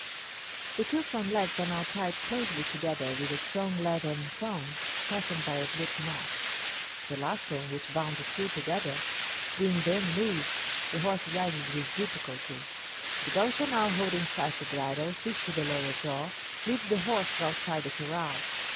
The two front legs are now tied closely together with a strong leathern thong, fastened by a slip knot. The lazo, which bound the three together, being then loosed, the horse rises with difficulty. The Gaucho now holding fast the bridle fixed to the lower jaw, leads the horse outside the corral.